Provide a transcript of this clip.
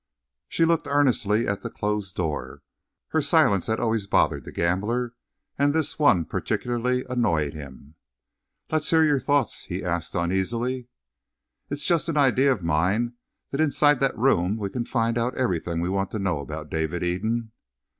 She looked earnestly at the closed door. Her silence had always bothered the gambler, and this one particularly annoyed him. "Let's hear your thoughts?" he asked uneasily. "It's just an idea of mine that inside that room we can find out everything we want to know about David Eden."